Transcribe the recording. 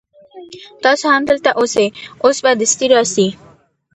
تاسو هم دلته اوسئ اوس به دستي راسي.